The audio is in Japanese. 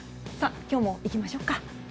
今日もいきましょうか。